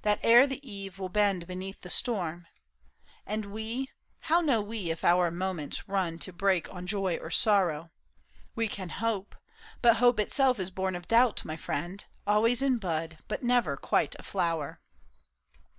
That ere the eve will bend beneath the storm. And we — how know we if our moments run To break on joy or sorrow ? We can hope, But hope itself is born of doubt, my friend. Always in bud, but never quite a flower."